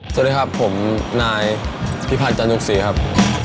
สวัสดีครับผมนายพิพันธ์จันยงศรีครับ